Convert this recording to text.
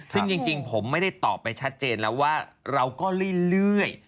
ซึ่งจริงผมไม่ได้ตอบไปชัดเจนแล้วว่าเราก็เรื่อย